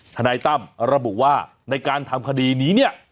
นายตั้มระบุว่าในการทำคดีนี้เนี่ย